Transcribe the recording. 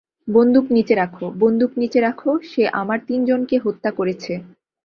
বন্দুক নিচে রাখো - বন্দুক নিচে রাখো - সে আমার তিনজনকে হত্যা করেছে।